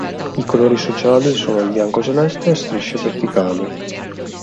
I colori sociali sono il bianco-celeste a strisce verticali.